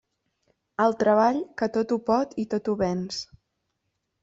El treball que tot ho pot i tot ho venç.